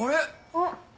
あっ。